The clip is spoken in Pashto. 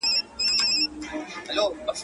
پر امیر باندي هغه ګړی قیامت سو!